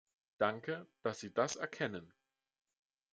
Danke, dass Sie das erkennen.